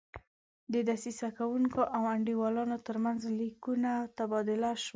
د دسیسه کوونکو او انډیوالانو ترمنځ لیکونه تبادله شول.